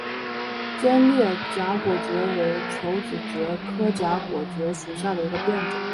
尖裂荚果蕨为球子蕨科荚果蕨属下的一个变种。